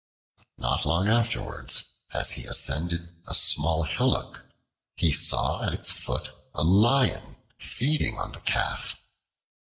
Not long afterwards, as he ascended a small hillock, he saw at its foot a Lion feeding on the Calf.